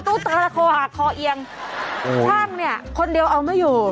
ตาละคอหักคอเอียงช่างเนี่ยคนเดียวเอาไม่อยู่